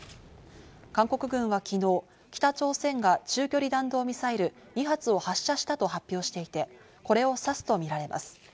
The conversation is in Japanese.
韓国軍は昨日、北朝鮮が中距離弾道ミサイル２発を発射したと発表していて、これを指すとみられます。